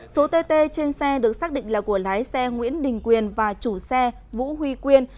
số tt trên xe được xác định là của lái xe nguyễn đình quyền và chủ xe vũ huy quyên